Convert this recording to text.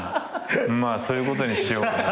まあそういうことにしようかな。